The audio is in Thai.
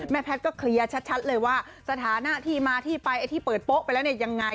แพทย์ก็เคลียร์ชัดเลยว่าสถานะที่มาที่ไปไอ้ที่เปิดโป๊ะไปแล้วเนี่ยยังไง